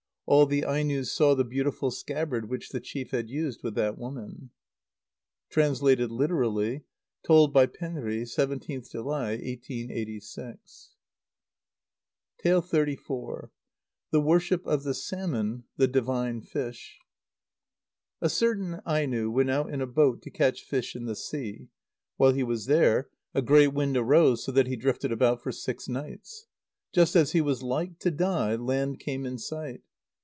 All the Ainos saw the beautiful scabbard which the chief had used with that woman. (Translated literally. Told by Penri, 17th July, 1886.) xxxiv. The Worship of the Salmon, the Divine Fish. A certain Aino went out in a boat to catch fish in the sea. While he was there, a great wind arose, so that he drifted about for six nights. Just as he was like to die, land came in sight.